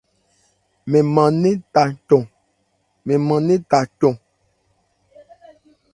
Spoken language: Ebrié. Mɛn mân nɛ́n tha cɔn.